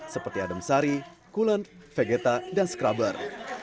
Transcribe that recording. seperti adem sari kulen vegeta dan scrubber